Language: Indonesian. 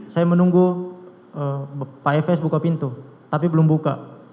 saya menunggu pak efes buka pintu tapi belum buka